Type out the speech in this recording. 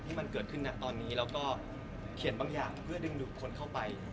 ที่มันเกิดขึ้นนะตอนนี้แล้วก็เขียนบางอย่างเพื่อดึงดูดคนเข้าไป